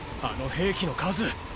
あの兵器の数。